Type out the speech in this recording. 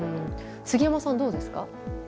杉山さんどうですか？